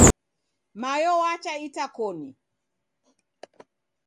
Mayo wacha itakoni.